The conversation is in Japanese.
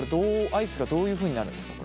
アイスがどういうふうになるんですか？